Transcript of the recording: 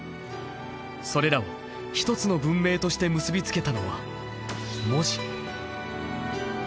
それらを１つの文明として結びつけたのは文字。